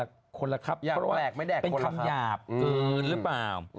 อยากแดกไม่แดกคนละครับอยากแดกไม่แดกคนละครับเพราะว่าเป็นคำหยาบหรือเปล่า